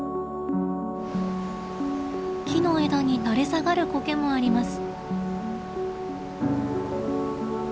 木の枝に垂れ下がるコケもあります。